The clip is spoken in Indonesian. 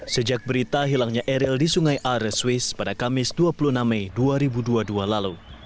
sejak berita hilangnya eril di sungai are swiss pada kamis dua puluh enam mei dua ribu dua puluh dua lalu